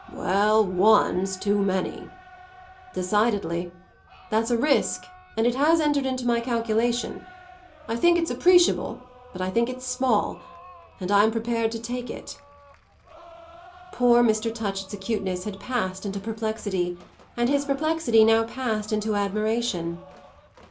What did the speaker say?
"Well, one's too many." "Decidedly. That's a risk, and it has entered into my calculation. I think it's appreciable, but I think it's small, and I'm prepared to take it." Poor Mr. Touchett's acuteness had passed into perplexity, and his perplexity now passed into admiration.